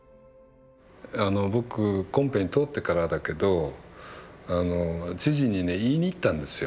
あの僕コンペに通ってからだけど知事にね言いに行ったんですよ。